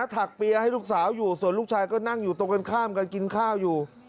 ถักเปียร์ให้ลูกสาวอยู่ส่วนลูกชายก็นั่งอยู่ตรงกันข้ามกันกินข้าวอยู่